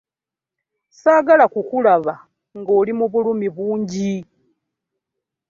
Ssaagala kukulaba nga oli mu bulumi bungi.